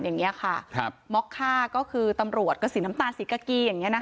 หม็ค่าก็คือตำรวจก็สีน้ำตาลสีกะกี้อย่างนี้นะคะ